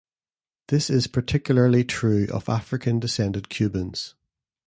This is particularly true of African descended Cubans.